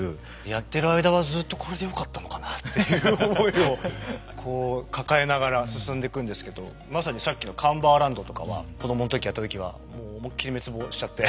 やってる間はずと「これでよかったのかな」っていう思いをこう抱えながら進んでいくんですけどまさにさっきのカンバーランドとかは子供の時やった時はもう思いっきり滅亡しちゃって。